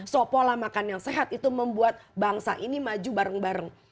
so pola makan yang sehat itu membuat bangsa ini maju bareng bareng